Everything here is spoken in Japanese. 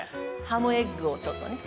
ハムエッグをちょっとね。